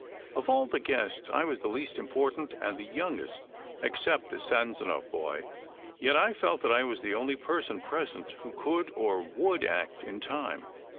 Of all the guests, I was the least important, and the youngest except the Sanzanow boy; yet I felt that I was the only person present who could or would act in time.